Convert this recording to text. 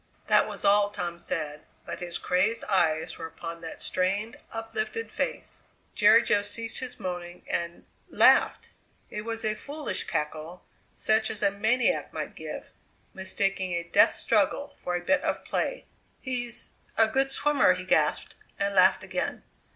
That was all Tom said, but his crazed eyes were upon that strained, uplifted face. Jerry Jo ceased his moaning and laughed! It was a foolish cackle, such as a maniac might give, mistaking a death struggle for a bit of play. "He's a good swimmer!" he gasped, and laughed again.